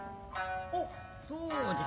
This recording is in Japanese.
おっそうじゃ。